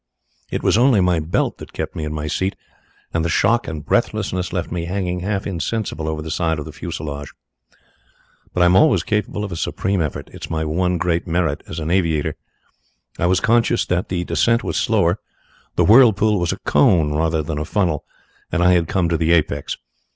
It was only my belt that kept me in my seat, and the shock and breathlessness left me hanging half insensible over the side of the fuselage. But I am always capable of a supreme effort it is my one great merit as an aviator. I was conscious that the descent was slower. The whirlpool was a cone rather than a funnel, and I had come to the apex.